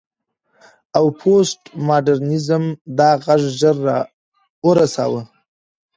او پوسټ ماډرنيزم دا غږ ژور او رسا کړ.